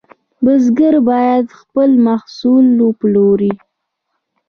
بزګر باید خپل محصول وپلوري.